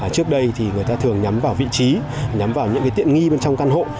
trước đây thì người ta thường nhắm vào vị trí nhắm vào những tiện nghi bên trong căn hộ